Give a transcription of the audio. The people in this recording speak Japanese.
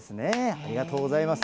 ありがとうございます。